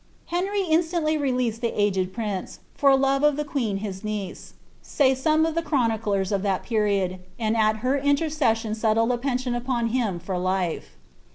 * Henry instantly released the aged prince, for love of th« queen his niece, say some of the chroniclers of that period, and at her intercession settled a pension upon him for life.